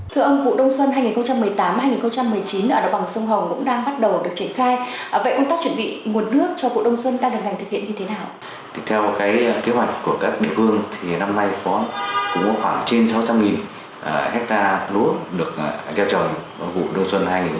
thưa ông vụ đông xuân hai nghìn một mươi tám hai nghìn một mươi chín ở đào bằng sông hồng cũng đang bắt đầu được triển khai